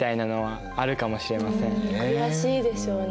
悔しいでしょうね。